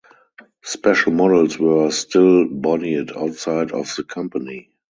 Special models were still bodied outside of the company.